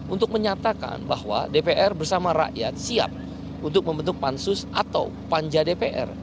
untuk menyatakan bahwa dpr bersama rakyat siap untuk membentuk pansus atau panja dpr